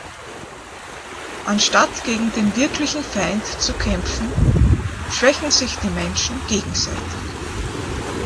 Anstatt gegen den wirklichen Feind zu kämpfen, schwächen sich die Menschen gegenseitig.